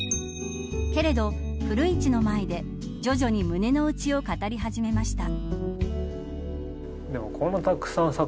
けれど、古市の前で徐々に胸の内を語り始めました。